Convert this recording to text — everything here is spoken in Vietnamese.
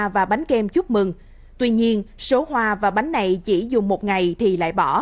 và bánh kem chúc mừng tuy nhiên số hoa và bánh này chỉ dùng một ngày thì lại bỏ